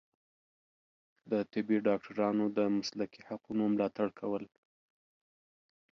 د طبي ډاکټرانو د مسلکي حقونو ملاتړ کول